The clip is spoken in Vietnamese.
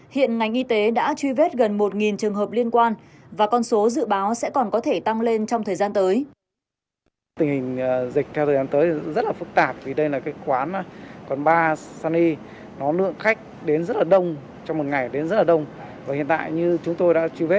hiện ngành y tế đã truy vết gần một trường hợp liên quan và con số dự báo sẽ còn có thể tăng lên trong thời gian tới